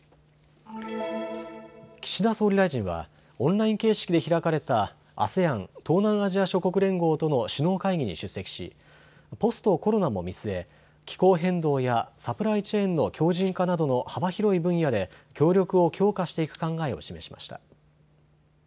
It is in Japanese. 岸田総理大臣はオンライン形式で開かれたＡＳＥＡＮ・東南アジア諸国連合との首脳会議に出席しポストコロナも見据え気候変動やサプライチェーンの強じん化などの幅広い分野で協力を強化していく考えを示しました。